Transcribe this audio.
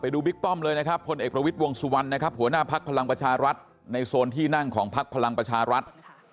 ดูบิ๊กป้อมเลยนะครับพลเอกประวิทย์วงสุวรรณนะครับหัวหน้าภักดิ์พลังประชารัฐในโซนที่นั่งของพักพลังประชารัฐ